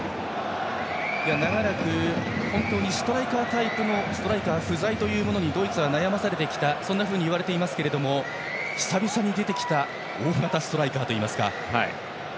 長らくストライカータイプのストライカー不在にドイツは悩まされてきたといわれますが久々に出てきた大型ストライカーといいますか。